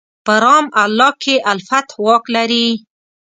په رام الله کې الفتح واک لري.